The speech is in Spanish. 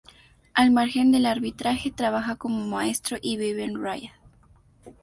Al margen del arbitraje, trabaja como maestro y vive en Riad.